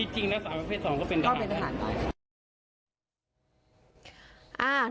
อ๋อจริงนะสาวประเภท๒ก็เป็นทหาร